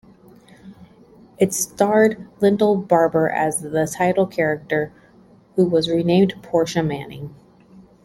It starred Lyndall Barbour as the title character who was renamed Portia Manning.